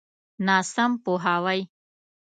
ناسم پوهاوی.